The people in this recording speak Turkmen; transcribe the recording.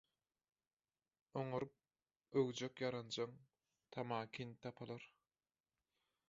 oňaryp öwjek ýaranjaň, tamakin tapylar.